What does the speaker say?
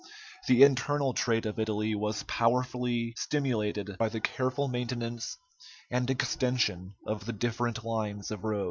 The internal trade of Italy was powerfully stimulated by the careful maintenance and extension of the different lines of road.